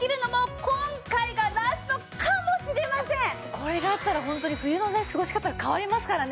これがあったらホントに冬の過ごし方が変わりますからね。